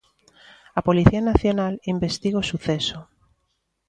A Policía Nacional investiga o suceso.